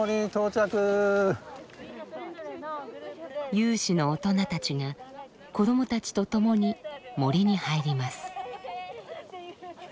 有志の大人たちが子どもたちと共に森に入ります。